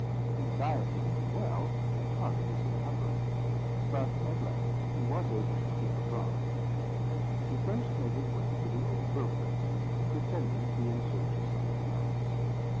Anxiety to be well retarded his recovery; but at length he was able to creep abroad. He first made his way to the old broker's, pretending to be in search of something else.